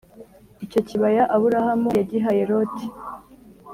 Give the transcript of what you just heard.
icyo kibaya Aburahamu yagihaye Loti